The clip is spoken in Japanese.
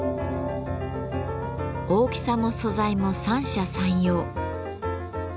大きさも素材も三者三様。